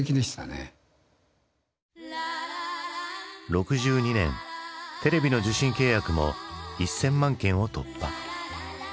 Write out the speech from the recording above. ６２年テレビの受信契約も１，０００万件を突破。